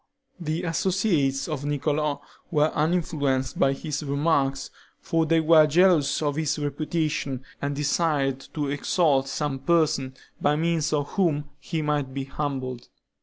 The associates of Niccolo were uninfluenced by his remarks; for they were jealous of his reputation, and desired to exalt some person, by means of whom he might be humbled.